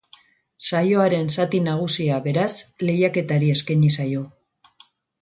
Saioaren zati nagusia, beraz, lehiaketari eskainiko zaio.